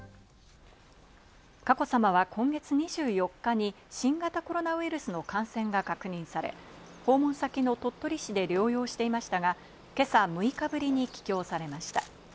佳子さまは今月２４日に新型コロナウイルスの感染が確認され、訪問先の鳥取市で療養していましたが、今朝６日ぶりに帰京されました。